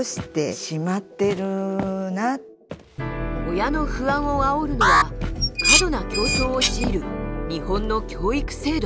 親の不安をあおるのは過度な競争を強いる日本の教育制度。